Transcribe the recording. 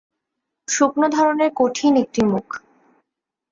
শুকনো ধরনের কঠিন একটি মুখ।